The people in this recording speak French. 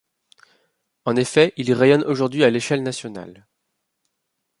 En effet, il rayonne aujourd'hui à l’échelle nationale.